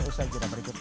ustaz jura berikut